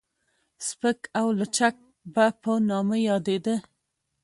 سپک او لچک به په نامه يادېده.